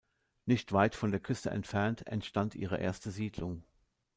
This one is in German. Nicht weit von der Küste entfernt entstand ihre erste Siedlung.